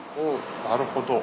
なるほど。